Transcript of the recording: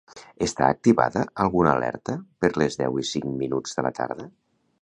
Està activada alguna alerta per les deu i cinc minuts de la tarda?